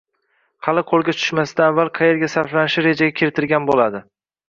hali qo‘lga tushmasidan avval qayerga sarflanishi rejaga kiritilgan bo‘ladi.